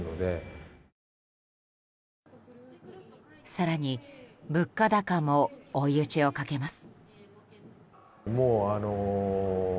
更に物価高も追い打ちをかけます。